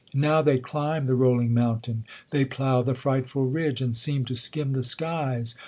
Now they climb the rolling mountain ; they plough the frightful ridge ; and seem to skim the skies.